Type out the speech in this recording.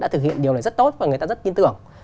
đã thực hiện điều này rất tốt và người ta rất tin tưởng